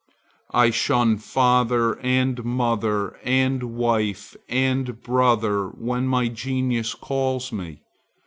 I shun father and mother and wife and brother when my genius calls me.